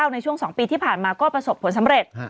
ในช่วง๒ปีที่ผ่านมาก็ประสบผลสำเร็จ